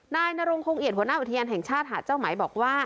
นายนรงคงเอียดหัวหน้าอุทยานแห่งชาติหาดเจ้าไหมบอกว่า